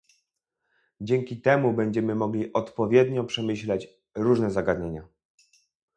Dzięki temu będziemy mogli odpowiednio przemyśleć różne zagadnienia